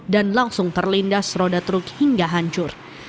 dan langsung terlindas roda truk hingga hancur